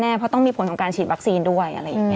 เพราะต้องมีผลของการฉีดวัคซีนด้วย